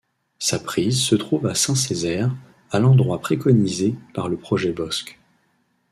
Sa prise se trouve à Saint-Cézaire, à l’endroit préconisé par le projet Bosc.